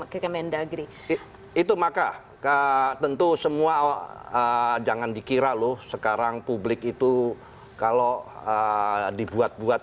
ke kemendagri itu maka ke tentu semua jangan dikira loh sekarang publik itu kalau dibuat buat